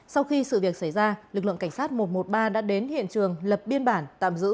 sau khi sự việc xảy ra lực lượng cảnh sát một trăm một mươi ba đã đến hiện trường lập biên bản tạm giữ